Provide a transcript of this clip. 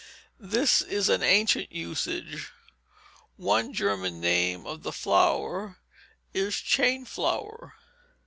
This is an ancient usage; one German name of the flower is chain flower.